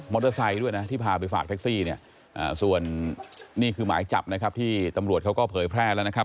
ด้วยนะที่พาไปฝากแท็กซี่เนี่ยส่วนนี่คือหมายจับนะครับที่ตำรวจเขาก็เผยแพร่แล้วนะครับ